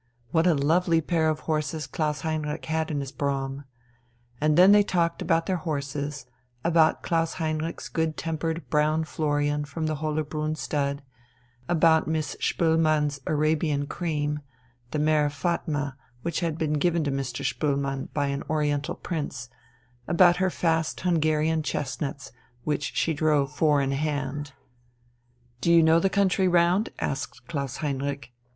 What a lovely pair of horses Klaus Heinrich had in his brougham! And then they talked about their horses, about Klaus Heinrich's good tempered brown Florian from the Hollerbrunn stud, about Miss Spoelmann's Arabian cream, the mare Fatma which had been given to Mr. Spoelmann by an oriental prince, about her fast Hungarian chestnuts, which she drove four in hand. "Do you know the country round?" asked Klaus Heinrich.